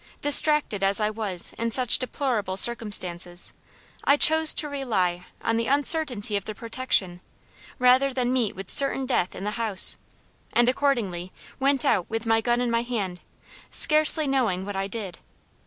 Distracted as I was in such deplorable circumstances, I chose to rely on the uncertainty of their protection, rather than meet with certain death in the house; and accordingly went out with my gun in my hand, scarcely knowing what I did.